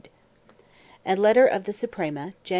A letter of the Suprema, Jan.